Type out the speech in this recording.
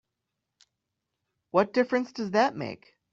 What difference does that make?